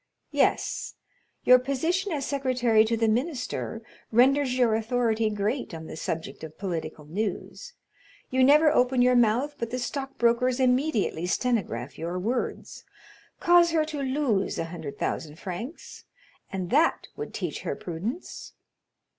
"Yes. Your position as secretary to the minister renders your authority great on the subject of political news; you never open your mouth but the stockbrokers immediately stenograph your words. Cause her to lose a hundred thousand francs, and that would teach her prudence."